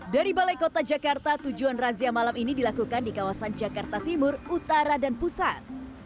dari balai kota jakarta tujuan razia malam ini dilakukan di kawasan jakarta timur utara dan pusat